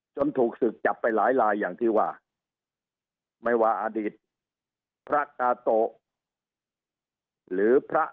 ถูกศึกจับไปหลายลายอย่างที่ว่าไม่ว่าอดีตพระกาโตะหรือพระ